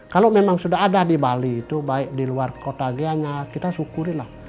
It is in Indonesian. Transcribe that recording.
kalau memang sudah ada di bali itu baik di luar kota gianya kita syukurilah